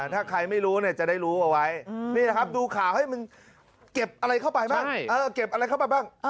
ถ้าใครไม่รู้จะได้รู้เอาไว้นี่นะครับดูข่าวให้มึงเก็บอะไรเข้าไปบ้าง